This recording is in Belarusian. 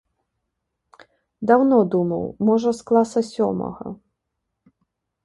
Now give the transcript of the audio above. Даўно думаў, можа з класа сёмага.